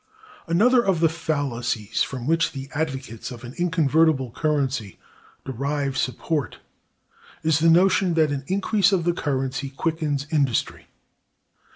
Another of the fallacies from which the advocates of an inconvertible currency derive support is the notion that an increase of the currency quickens industry.